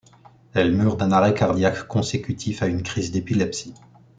Elle meurt d'un arrêt cardiaque consécutif à une crise d'épilepsie.